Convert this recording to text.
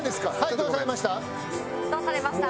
どうされました？